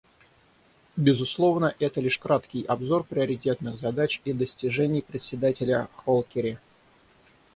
Безусловно, это лишь краткий обзор приоритетных задач и достижений Председателя Холкери.